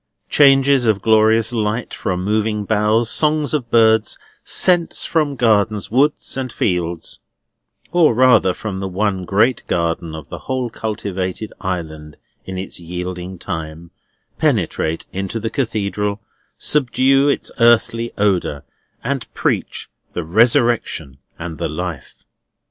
Changes of glorious light from moving boughs, songs of birds, scents from gardens, woods, and fields—or, rather, from the one great garden of the whole cultivated island in its yielding time—penetrate into the Cathedral, subdue its earthy odour, and preach the Resurrection and the Life.